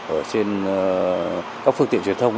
ở trên các phương tiện truyền thông